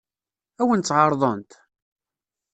Ad wen-tt-ɛeṛḍent?